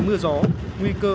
những ngày mưa gió